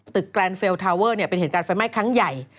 แกรนดเฟลลทาเวอร์เป็นเหตุการณ์ไฟไหม้ครั้งใหญ่